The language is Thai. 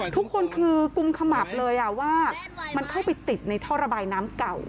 ถูกคลุมขมับเลยว่ามันเข้าไปติดในทรบายน้ำเก่า